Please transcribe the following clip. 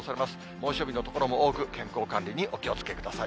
猛暑日の所も多く、健康管理にお気をつけください。